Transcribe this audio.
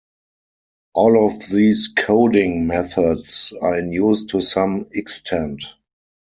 All of these coding methods are in use to some extent.